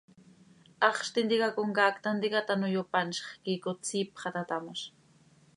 Haxz tintica comcaac tanticat ano yopanzx, quiicot siip xah taa tamoz.